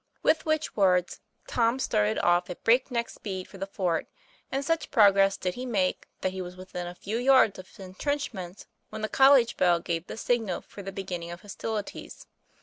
With which words, Tom started off at break neck speed for the fort; and such progress did he make that he was within a few yards of his intrenchments when the college bell gave the signal for the beginning of hostilities.